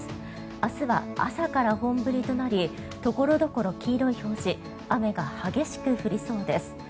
明日は朝から本降りとなり所々、黄色い表示雨が激しく降りそうです。